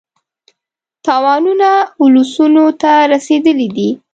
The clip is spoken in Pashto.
تاوانونه اولسونو ته رسېدلي دي.